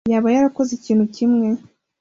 yaba yarakoze ikintu kimwe.